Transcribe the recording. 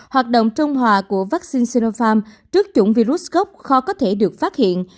hoạt động trung hòa của vaccine sinopharm trước chủng virus gốc khó có thể được phát hiện